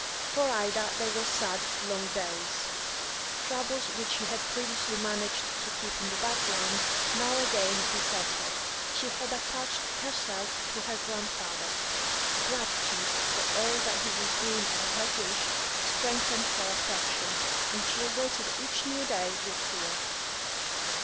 For Ida they were sad, long days. Troubles which she had previously managed to keep in the background now again beset her. She had attached herself to her grandfather; gratitude for all that he was doing at her wish strengthened her affection, and she awaited each new day with fear.